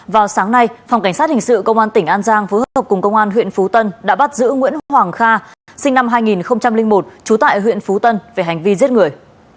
vào sáng nay phòng cảnh sát hình sự công an tỉnh an giang phối hợp cùng công an huyện phú tân đã bắt giữ nguyễn hoàng kha sinh năm hai nghìn một trú tại huyện phú tân về hành vi giết người